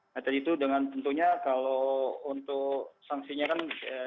nah tadi itu dengan tentunya kalau untuk sanksinya kan